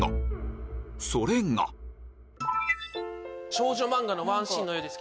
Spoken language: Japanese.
少女漫画のワンシーンのようです。